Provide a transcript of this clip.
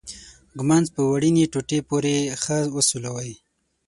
ږمنځ په وړینې ټوټې پورې ښه وسولوئ.